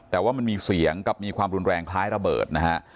แต่ว่ามันมีเสียงกับมีความรุนแรงคล้ายระเบิดนะฮะ